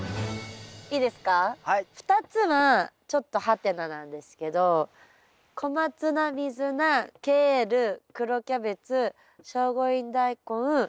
２つはちょっとはてななんですけどコマツナミズナケール黒キャベツ聖護院ダイコンカブミニダイコン。